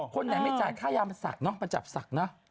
คนไหนไม่จ่ายค่ายามาสักนะมาจับสักนะ